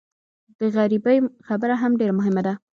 د غریبۍ خبره هم ډېره مهمه ده.